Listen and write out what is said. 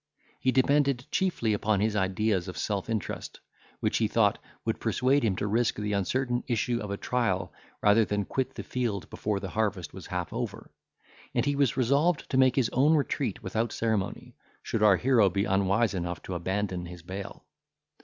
He depended chiefly upon his ideas of self interest, which, he thought, would persuade him to risk the uncertain issue of a trial, rather than quit the field before the harvest was half over; and he was resolved to make his own retreat without ceremony, should our hero be unwise enough to abandon his bail.